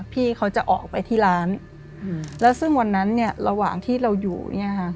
พี่เขาจะออกไปที่ร้านแล้วซึ่งวันนั้นเนี่ยระหว่างที่เราอยู่เนี่ยค่ะ